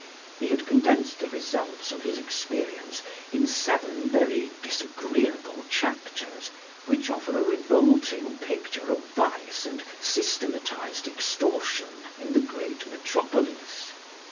He had condensed the results of his experience in seven very disagreeable chapters, which offer a revolting picture of vice and systematised extortion in the great metropolis.